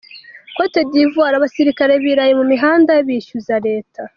Cote d’ Ivoire: Abasirikare biraye mu mihanda bishyuza Leta .